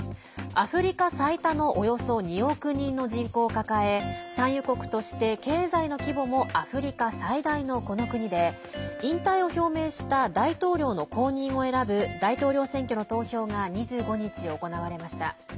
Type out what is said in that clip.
アフリカ最多のおよそ２億人の人口を抱え産油国として経済の規模もアフリカ最大のこの国で引退を表明した大統領の後任を選ぶ大統領選挙の投票が２５日行われました。